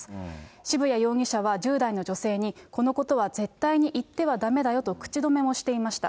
渋谷容疑者は、１０代の女性に、このことは絶対に言ってはだめだよと口止めをしていました。